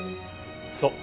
そう。